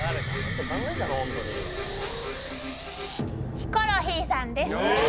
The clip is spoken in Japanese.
ヒコロヒーさんです。